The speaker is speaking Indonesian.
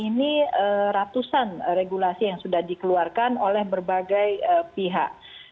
ini ratusan regulasi yang sudah dikeluarkan oleh berbagai pihak